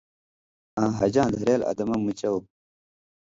آں حَجاں دھرېل ادمہ (ارکان) مُچاؤ